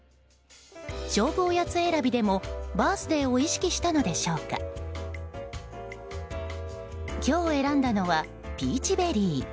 勝負おやつ選びでもバースデーを意識したのでしょうか今日選んだのはピーチベリー。